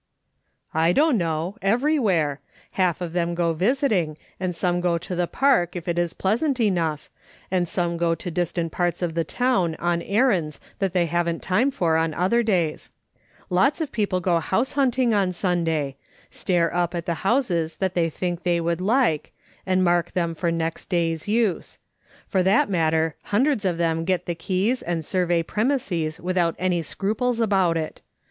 " I don't know ; eA'crywhere ; half of them go visiting, and some go to the Park, if it is pleasant enough, and some go to distant parts of the town on errands that they haven't time for on other days ; lots of people go house hunting on Sunday; stare up at the houses that they think they would like, and mark them for next day's use ; for that matter, hundreds of them get the keys and survey premises without any scruples about it.